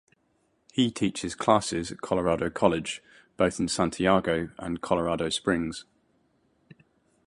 He teaches classes at Colorado College both in Santiago, and Colorado Springs.